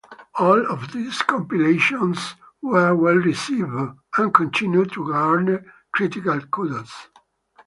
All of these compilations were well received and continue to garner critical kudos.